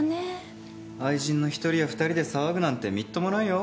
愛人の１人や２人で騒ぐなんてみっともないよ。